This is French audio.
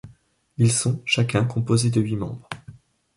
Ils sont, chacun, composés de huit membres.